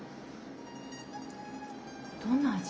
どんな味？